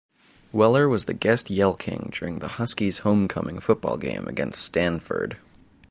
Weller was the guest yell-king during the Huskies' homecoming football game against Stanford.